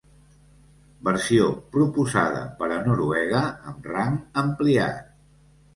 Versió proposada per a Noruega amb rang ampliat.